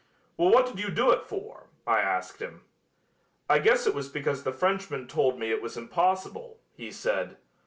'Well, what did you do it for?' I asked him. 'I guess it was because the Frenchman told me it was impossible,' he said.